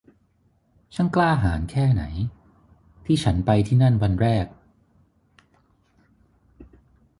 ช่างกล้าหาญแค่ไหน ที่ฉันไปที่นั่นวันแรก